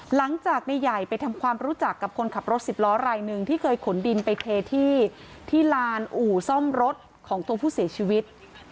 หลังจากในใหญ่ไปทำความรู้จักกับคนขับรถสิบล้อรายหนึ่งที่เคยขนดินไปเทที่ที่ลานอู่ซ่อมรถของตัวผู้เสียชีวิต